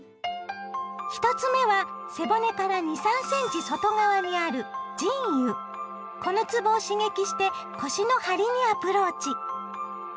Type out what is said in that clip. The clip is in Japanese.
１つ目は背骨から２３センチ外側にあるこのつぼを刺激して腰の張りにアプローチ。